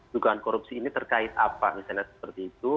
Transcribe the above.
dugaan korupsi ini terkait apa misalnya seperti itu